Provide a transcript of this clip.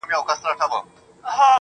او تاته زما د خپلولو په نيت.